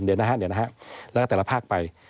เดี๋ยวนะฮะเดี๋ยวนะฮะแล้วก็แต่ละภาคไป